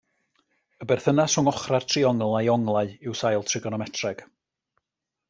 Y berthynas rhwng ochrau'r triongl a'i onglau yw sail trigonometreg.